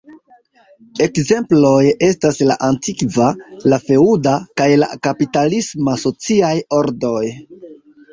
Ekzemploj estas la antikva, la feŭda, kaj la kapitalisma sociaj ordoj.